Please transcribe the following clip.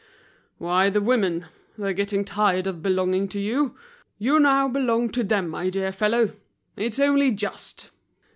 "Why, the women. They're getting tired of belonging to you; you now belong to them, my dear fellow; it's only just!"